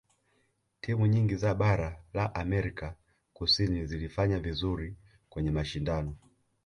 timu nyingi za bara la amerika kusini zilifanya vizuri kwenye mashindano